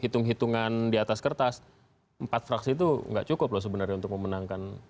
hitung hitungan di atas kertas empat fraksi itu nggak cukup loh sebenarnya untuk memenangkan